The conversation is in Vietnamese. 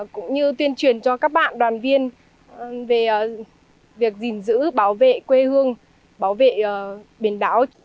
cũng như tuyên truyền cho các bạn đoàn viên về việc gìn giữ bảo vệ quê hương bảo vệ biển đảo